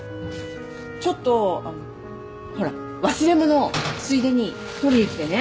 ちょっとあのほら忘れ物ついでに取りに来てね。